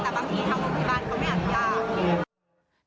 แต่บางทีทั้งคนที่บ้านเขาไม่อาจได้